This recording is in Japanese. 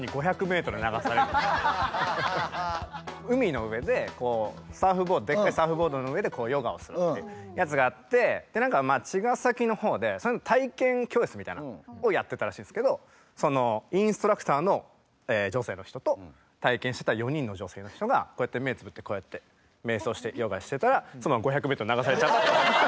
海の上でこうでっかいサーフボードの上でヨガをするってやつがあってで何か茅ヶ崎の方でそれの体験教室みたいなのをやってたらしいんですけどそのインストラクターの女性の人と体験してた４人の女性の人がこうやって目つぶってこうやって瞑想してヨガしてたらそのまま５００メートル流されちゃった。